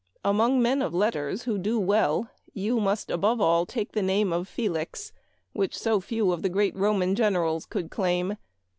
Among men of let ters who do well, you must above all take the name of Felix, which so few of the great Roman generals could claim.